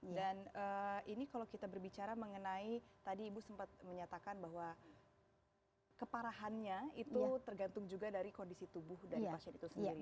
dan ini kalau kita berbicara mengenai tadi ibu sempat menyatakan bahwa keparahannya itu tergantung juga dari kondisi tubuh dari pasien itu sendiri